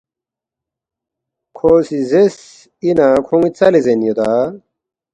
“ کھو سی زیرس، ” اِنا کھون٘ی ژَلے زین یودا؟“